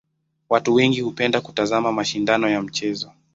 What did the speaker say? Watu wengi hupenda kutazama mashindano ya michezo.